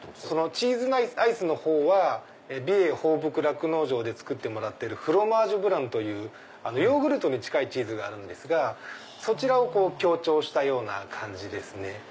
チーズアイスのほうは美瑛放牧酪農場で作ってるフロマージュブランというヨーグルトに近いチーズがあるんですがそちらを強調したような感じですね。